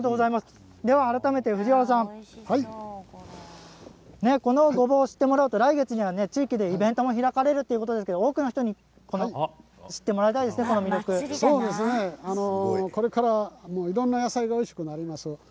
では改めて藤原さんこのごぼうを知ってもらおうと来月は地域でイベントも開かれるということですが多くの人にこれからいろんな野菜がおいしくなります。